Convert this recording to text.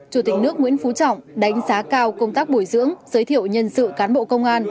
chủ tịch nước nguyễn phú trọng đánh giá cao công tác bồi dưỡng giới thiệu nhân sự cán bộ công an